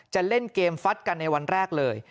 จะเล่นเกมฟัดกันในวันแรกเลย